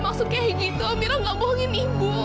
maksudnya begitu amira enggak bohongin ibu